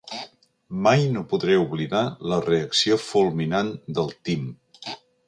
Mai no podré oblidar la reacció fulminant del Tim.